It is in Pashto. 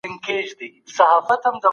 ايا د ټولني خدمت کول يو انساني مسؤليت دی؟